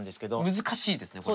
難しいですねこれ。